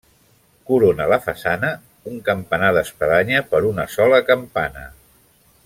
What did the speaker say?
Corona la façana un campanar d'espadanya per una sola campana.